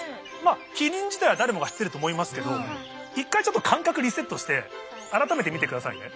キリン自体は誰もが知ってると思いますけど一回ちょっと感覚リセットして改めて見てくださいね。